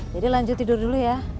lanjut tidur dulu ya